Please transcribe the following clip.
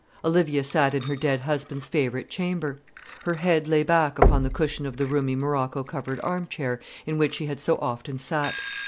Olivia sat in her dead husband's favourite chamber. Her head lay back upon the cushion of the roomy morocco covered arm chair in which he had so often sat.